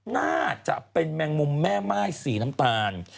น่าจะเป็นแมงมุมแม่ม่ายสีน้ำตาล